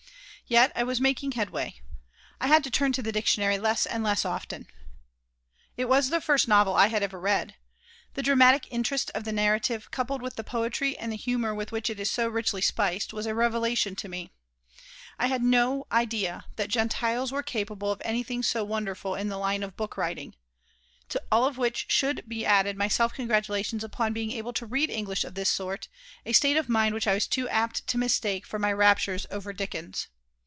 Yet I was making headway. I had to turn to the dictionary less and less often It was the first novel I had ever read. The dramatic interest of the narrative, coupled with the poetry and the humor with which it is so richly spiced, was a revelation to me. I had had no idea that Gentiles were capable of anything so wonderful in the line of book writing. To all of which should be added my self congratulations upon being able to read English of this sort, a state of mind which I was too apt to mistake for my raptures over Dickens.